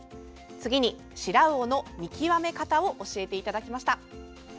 次にシラウオの見極め方を教えていただきました。